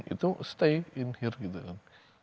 itu stay in heart gitu kan